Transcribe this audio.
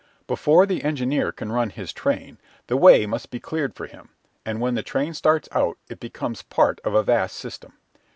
Before the engineer can run his train, the way must be cleared for him, and when the train starts out it becomes part of a vast system.